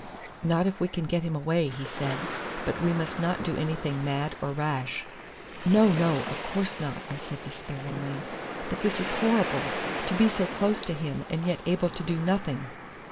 "Not if we can get him away," he said; "but we must not do anything mad or rash." "No, no, of course not," I said despairingly; "but this is horrible: to be so close to him and yet able to do nothing!"